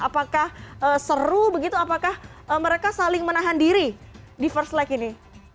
apakah seru begitu apakah mereka saling menahan diri di first like ini